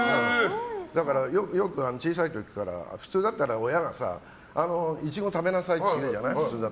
だからよく小さい時から普通だったら親がイチゴ食べなさいって言うじゃない。